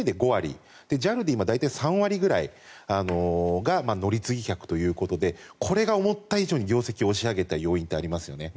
今、ＡＮＡで５割ＪＡＬで３割ぐらいが乗り継ぎ客ということでこれが思った以上に業績を押し上げた要因ってありますよね。